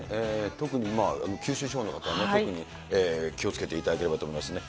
特に九州地方の方はね、特に気をつけていただければと思いますね。